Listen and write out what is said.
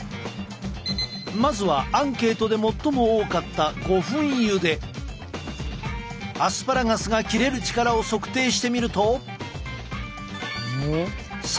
まずはアンケートで最も多かったアスパラガスが切れる力を測定してみると。